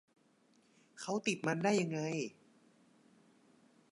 เขาติดมันได้ยังไง